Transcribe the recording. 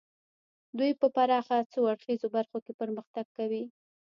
دوی په پراخه څو اړخیزو برخو کې پرمختګ کوي